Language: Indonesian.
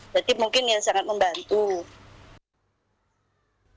jadi mungkin yang sangat membantu